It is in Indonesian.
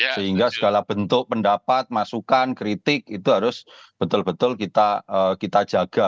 sehingga segala bentuk pendapat masukan kritik itu harus betul betul kita jaga